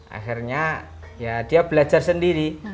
akhirnya ya dia belajar sendiri